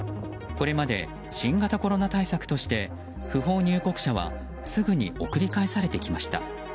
これまで新型コロナ対策として不法入国者はすぐに送り返されてきました。